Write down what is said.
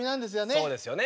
そうですよね。